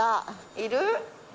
いる？